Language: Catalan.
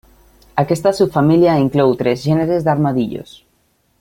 Aquesta subfamília inclou tres gèneres d'armadillos.